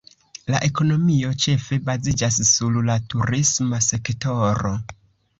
La ekonomio ĉefe baziĝas sur la turisma sektoro.